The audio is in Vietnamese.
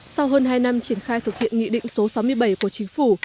sau hơn hai năm triển khai thực hiện nghị định số sáu mươi bảy của chính phủ